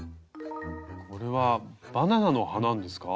これは「バナナの葉」なんですか？